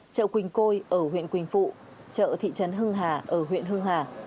chợ quỳnh côi ở huyện quỳnh phụ chợ thị trấn hưng hà ở huyện hưng hà